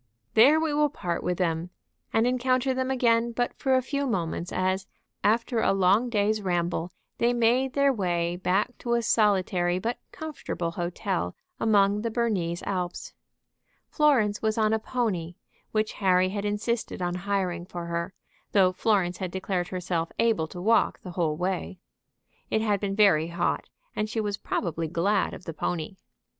There we will part with them, and encounter them again but for a few moments as, after a long day's ramble, they made their way back to a solitary but comfortable hotel among the Bernese Alps. Florence was on a pony, which Harry had insisted on hiring for her, though Florence had declared herself able to walk the whole way. It had been very hot, and she was probably glad of the pony.